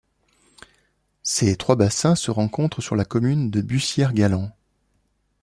Ces trois bassins se rencontrent sur la commune de Bussière-Galant.